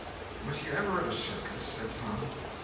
"Was you ever at a circus?" said Tom.